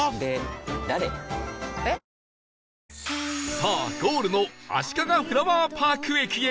さあゴールのあしかがフラワーパーク駅へ